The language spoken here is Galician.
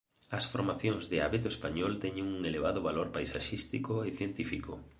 As formacións de abeto español teñen un elevado valor paisaxístico e científico.